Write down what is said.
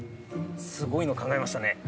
すごいの考えましたね。